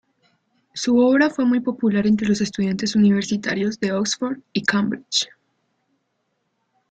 Su obra fue muy popular entre los estudiantes universitarios de Oxford y Cambridge.